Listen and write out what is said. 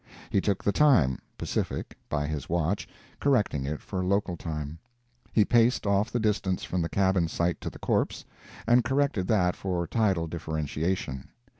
He took the time (Pacific) by his watch, correcting it for local time. He paced off the distance from the cabin site to the corpse, and corrected that for tidal differentiation.